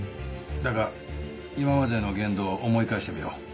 だが今までの言動を思い返してみろ。